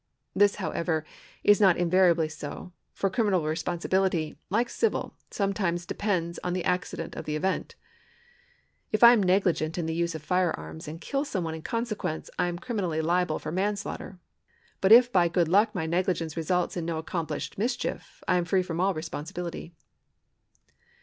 This, however, is not invariably so, for criminal responsibility, like civil, sometimes depends on the accident of the event. If 1 am negligent in the use of firearms, and kill some one in consequence, I am criminally liable for manslaughter ; but if by good luck my negligence results in no accomplished mischief, I am free from all responsibility.